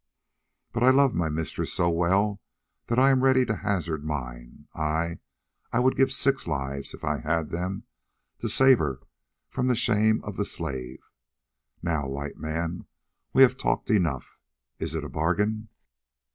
But I love my mistress so well that I am ready to hazard mine; ay, I would give six lives, if I had them, to save her from the shame of the slave. Now, White Man, we have talked enough; is it a bargain?"